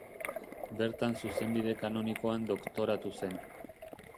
Bertan zuzenbide kanonikoan doktoratu zen.